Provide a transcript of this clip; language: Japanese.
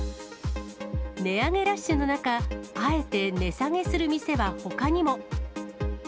値上げラッシュの中、あえて値下げする店はほかにも。